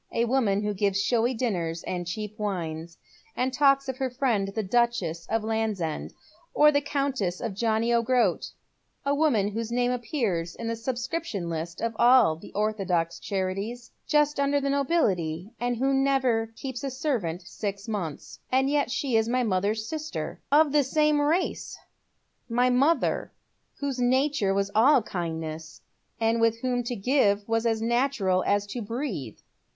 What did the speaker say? " A woman who gives showy dinners and cheap wines, and talks of her friend the Duchess of Landsend, or the Countess of John o' Groat ; a woman whose name appears in the subscription list of all the orthodox charities, just under the nobility, and who never keeps a servant six months. And yet she is my mother's sister, of the same race ; my mother, whose nature was all kindness, and with whom to give was as natural as to breathe."